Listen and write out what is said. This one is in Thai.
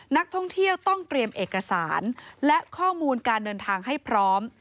นักท่องเที่ยวต้องเตรียมเอกสารและข้อมูลการเดินทางให้พร้อม